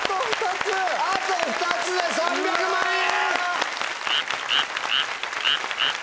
あと２つで３００万円！